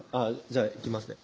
じゃあいきますね